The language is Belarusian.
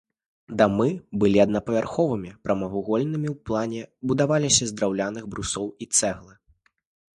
Дамы былі аднапавярховымі, прамавугольнымі ў плане, будаваліся з драўляных брусоў і цэглы.